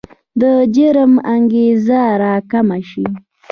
د جرم انګېزه راکمه شي.